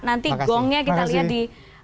nanti gongnya kita lihat di tujuh belas